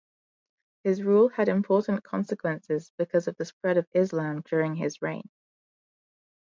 His rule had important consequences because of the spread of Islam during his reign.